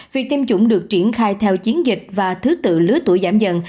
việc tiêm chủng được triển khai theo chiến dịch và thứ tự lứa tuổi giảm dần